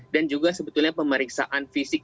dan juga sebetulnya kita harus melakukan screening vaksinasi